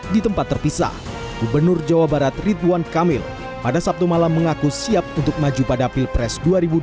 di tempat terpisah gubernur jawa barat ridwan kamil pada sabtu malam mengaku siap untuk maju pada pilpres dua ribu dua puluh